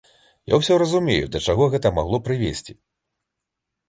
Я ўсё разумею, да чаго гэта магло прывесці.